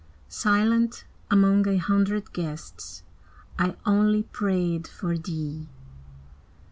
Silent, among a hundred guests, I only prayed for thee.